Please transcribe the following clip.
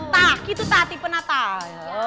tak gitu tak tipe natal